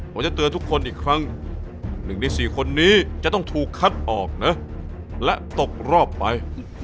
ผมจะเตือนทุกคนอีกครั้ง๑ใน๔คนนี้จะต้องถูกคัดออกนะและตกรอบไป